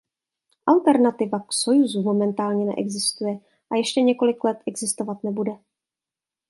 Alternativa k Sojuzu momentálně neexistuje a ještě několik let existovat nebude.